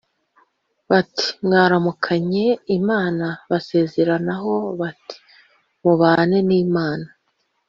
bati: "mwaramukanye imana?" basezeranaho bati: "mubane n'imana,